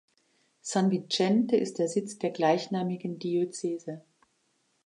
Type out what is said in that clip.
San Vicente ist der Sitz der gleichnamigen Diözese.